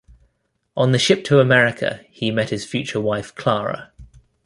On the ship to America, he met his future wife Clara.